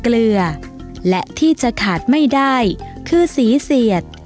เกลือและที่จะขาดไม่ได้คือสีเสียด